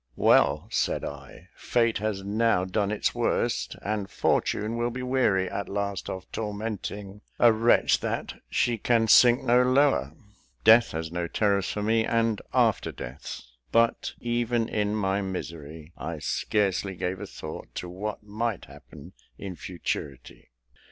"Well," said I, "Fate has now done its worst, and Fortune will be weary at last of tormenting a wretch that she can sink no lower! Death has no terrors for me; and, after death !" But, even in my misery, I scarcely gave a thought to what might happen in futurity.